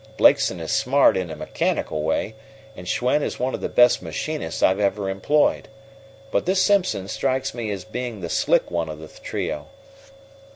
Blakeson is smart, in a mechanical way, and Schwen is one of the best machinists I've ever employed. But this Simpson strikes me as being the slick one of the trio."